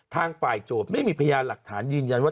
ทางฝ่ายโจทย์ไม่มีพยานหลักฐานยืนยันว่า